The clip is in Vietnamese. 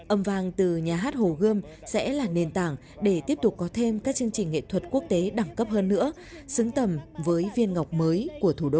âm vàng từ nhà hát hồ gươm sẽ là nền tảng để tiếp tục có thêm các chương trình nghệ thuật quốc tế đẳng cấp hơn nữa xứng tầm với viên ngọc mới của thủ đô